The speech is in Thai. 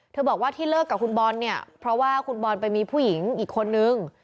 บอกว่าที่เลิกกับคุณบอลเนี่ยเพราะว่าคุณบอลไปมีผู้หญิงอีกคนนึง